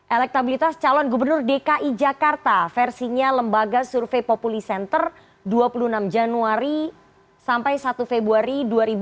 elektabilitas calon gubernur dki jakarta versinya lembaga survei populi center dua puluh enam januari sampai satu februari dua ribu dua puluh